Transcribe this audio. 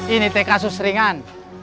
ini tk susringan